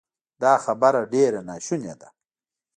دا خبره ډېره ناشونې ده